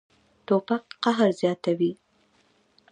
توپک قهر زیاتوي.